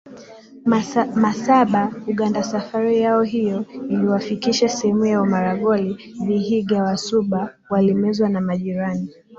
Masaba UgandaSafari yao hiyo iliwafikisha sehemu ya Umaragoli Vihiga Wasuba walimezwa na majirani